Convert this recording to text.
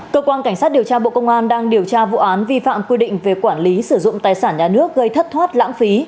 cơ quan cảnh sát điều tra bộ công an đang điều tra vụ án vi phạm quy định về quản lý sử dụng tài sản nhà nước gây thất thoát lãng phí